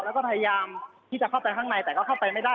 แล้วก็พยายามที่จะเข้าไปข้างในแต่ก็เข้าไปไม่ได้